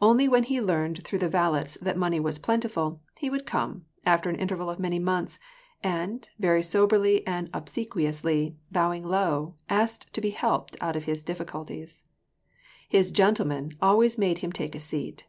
Only when he learned through the valets that money was plentiful, he would come, after an interval of many months, and, very soberly and obsequiously, bowing low, asked to be helped out of his difficulties. His '' gentlemen " always made him take a seat.